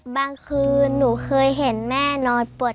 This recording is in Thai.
บางคืนหนูเคยเห็นแม่นอนปวดขาร้องได้ค่ะ